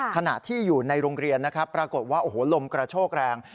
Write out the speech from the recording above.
ขณะที่อยู่ในโรงเรียนปรากฏว่าลมกระโชกแรง